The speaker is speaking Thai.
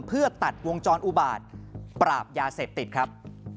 เพื่อตัดวงจรอุบาตปราบยาเสพติดครับ